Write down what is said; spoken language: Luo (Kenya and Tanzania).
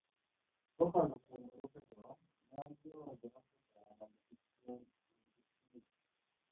Kokalo kuom barupego, ne ojiwo Jo-Afrika mondo kik chunygi